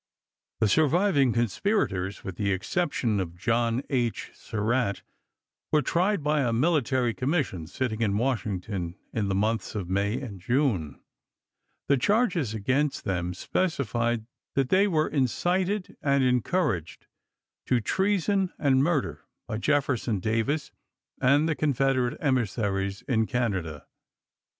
The surviving conspirators, with the exception of John H. Surratt, were tried by a military com mission 2 sitting in Washington in the months of 1865. May and June. The charges against them speci fied that they were " incited and encouraged " to treason and murder by Jefferson Davis and the Confederate emissaries in Canada.